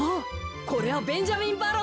これはベンジャミンバロック。